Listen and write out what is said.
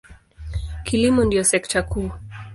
Kilimo ndiyo sekta kuu.